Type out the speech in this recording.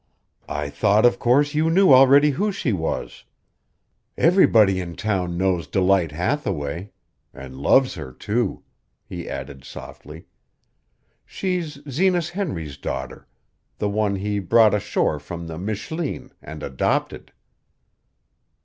I thought of course you knew already who she was. Everybody in town knows Delight Hathaway, an' loves her, too," he added softly. "She's Zenas Henry's daughter, the one he brought ashore from the Michleen an' adopted."